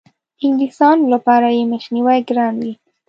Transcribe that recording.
انګلیسیانو لپاره یې مخنیوی ګران وي.